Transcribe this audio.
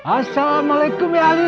assalamualaikum ya allah